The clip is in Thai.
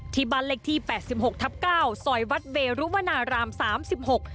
ที่บ้านเลขที่แปดสิบหกทับเก้าซอยวัดเวรุวนารามสามสิบหก